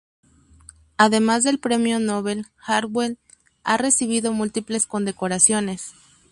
Además del Premio Nobel, Hartwell ha recibido múltiples condecoraciones.